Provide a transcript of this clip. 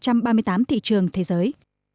các thị trường thế giới